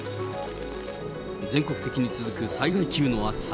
全国的に続く災害級の暑さ。